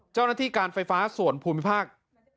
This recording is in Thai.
เจ้าหน้าที่การไฟฟ้าส่วนภูมิภาค